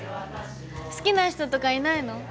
好きな人とかいないの？